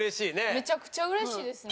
めちゃくちゃ嬉しいですね。